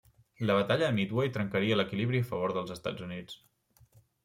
La Batalla de Midway trencaria l'equilibri en favor dels Estats Units.